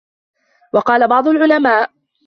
وَقَالَ بَعْضُ الْعُلَمَاءِ